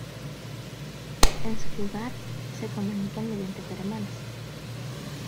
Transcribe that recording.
En su lugar, se comunican mediante feromonas.